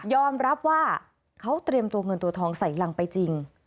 รับว่าเขาเตรียมตัวเงินตัวทองใส่รังไปจริง